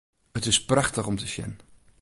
It is prachtich om te sjen.